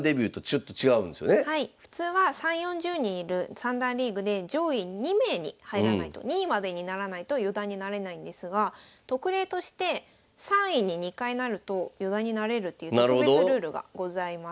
普通は３０４０人いる三段リーグで上位２名に入らないと２位までにならないと四段になれないんですが特例として３位に２回なると四段になれるっていう特別ルールがございます。